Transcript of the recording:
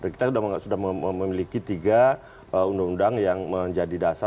kita sudah memiliki tiga undang undang yang menjadi dasar